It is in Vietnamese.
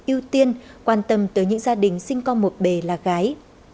ưu tiên quan tâm tới những gia đình sinh con một bề là gái